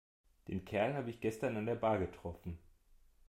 Den Kerl habe ich gestern an der Bar getroffen.